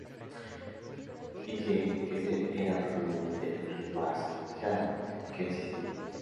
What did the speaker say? Dije que ese era probablemente el riff más "heavy" que ha existido.